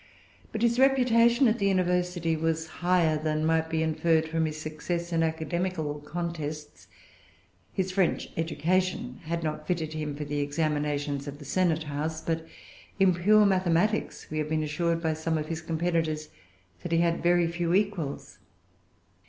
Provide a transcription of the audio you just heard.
But his reputation at the University was higher than might be inferred from his success in academical contests. His French education had not fitted him for the examinations of the Senate House; but, in pure mathematics, we have been assured by some of his competitors that he had[Pg 380] very few equals.